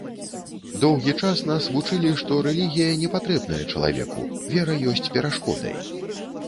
Доўгі час нас вучылі, што рэлігія не патрэбная чалавеку, вера ёсць перашкодай.